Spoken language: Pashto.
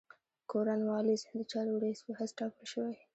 کورن والیس د چارو رییس په حیث تاکل شوی.